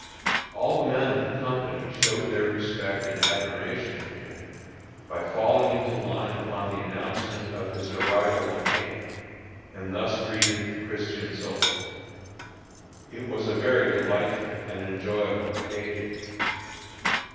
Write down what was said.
All the men of the company showed their respect and admiration for him by falling into line upon the announcement of his arrival in camp, and thus greeted the Christian soldier. It was a very delightful and enjoyable occasion.